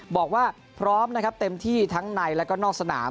บอกว่าพร้อมนะครับเต็มที่ทั้งในแล้วก็นอกสนาม